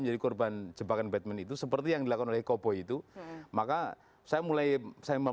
menjadi korban jebakan batman itu seperti yang dilakukan oleh koboi itu maka saya mulai saya